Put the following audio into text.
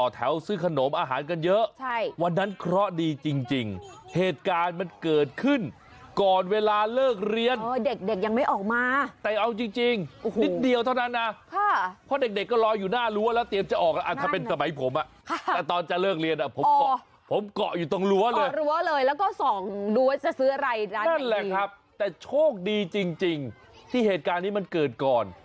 จะซื้ออะไรร้านไหนดีนั่นแหละครับแต่โชคดีจริงที่เหตุการณ์นี้มันเกิดก่อน